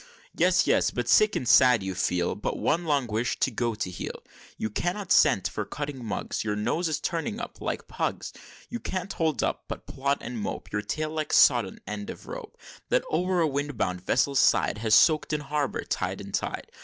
"Yes! yes! but, sick and sad, you feel But one long wish to go to heel; You cannot scent for cutting mugs Your nose is turning up, like Pug's; You can't hold up, but plod and mope; Your tail like sodden end of rope, That o'er a wind bound vessel's side Has soak'd in harbor, tide and tide.